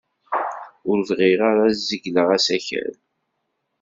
Ur bɣiɣ ara ad zegleɣ asakal.